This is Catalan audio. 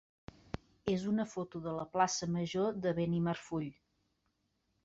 és una foto de la plaça major de Benimarfull.